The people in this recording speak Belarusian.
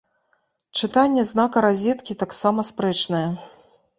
Чытанне знака разеткі таксама спрэчнае.